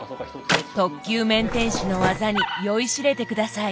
特級麺点師の技に酔いしれて下さい。